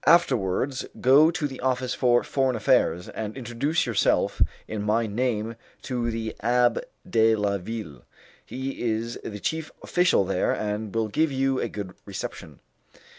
Afterwards go to the Office for Foreign Affairs, and introduce yourself in my name to the Abbé de la Ville. He is the chief official there, and will give you a good reception."